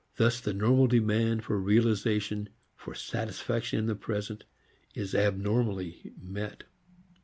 Thus the normal demand for realization, for satisfaction in the present, is abnormally met.